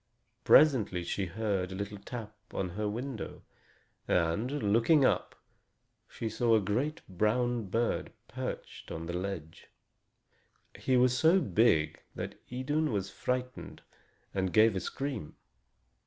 Presently she heard a little tap on her window, and, looking up, she saw a great brown bird perching on the ledge. He was so big that Idun was frightened and gave a scream.